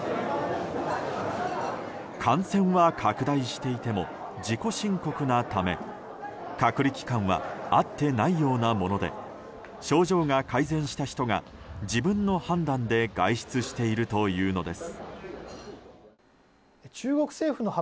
感染は拡大していても自己申告なため隔離期間はあってないようなもので症状が改善した人が自分の判断で外出しているというのです。